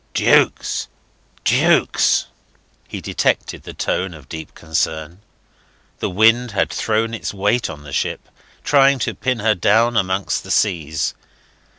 "Jukes! Jukes!" He detected the tone of deep concern. The wind had thrown its weight on the ship, trying to pin her down amongst the seas.